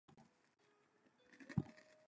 At the end, is the outback of Rafelterras.